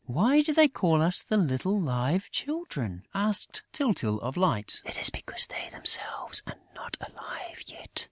"Why do they call us the little Live Children?" asked Tyltyl, of Light. "It is because they themselves are not alive yet.